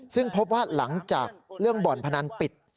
ซึ่งพบว่าหลังจากเรื่องบ่อนพนันปิด